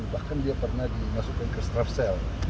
bahkan dia pernah dimasukkan ke strafesan